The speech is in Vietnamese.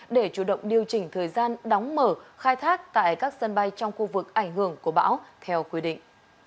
để chủ động điều chỉnh thời gian đóng mở khai thác tại các sân bay trong khu vực ảnh hưởng của bão theo quy định